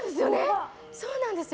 そうなんですよ。